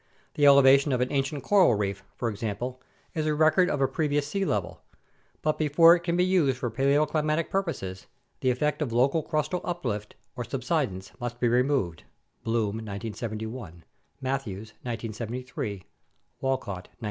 The elevation of an ancient coral reef, for example, is a record of a previous sea level; but before it can be used for paleoclimatic purposes the effect of local crustal uplift or subsidence must be removed (Bloom, 1971; Matthews, 1973; Walcott, 1972).